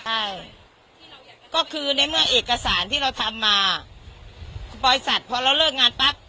ใช่ก็คือในเมื่อเอกสารที่เราทำมาบริษัทพอเราเลิกงานปั๊บ